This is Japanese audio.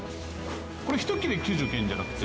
これ一切れ９９円じゃなくて。